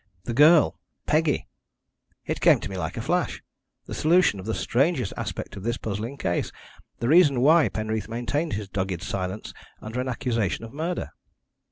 The girl Peggy! It came to me like a flash, the solution of the strangest aspect of this puzzling case the reason why Penreath maintained his dogged silence under an accusation of murder.